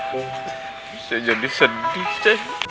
bisa jadi sedih c